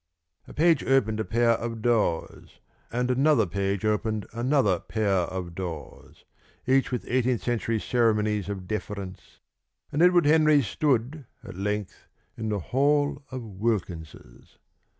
A page opened a pair of doors, and another page opened another pair of doors, each with eighteen century ceremonies of deference, and Edward Henry stood at length in the hall of Wilkins's.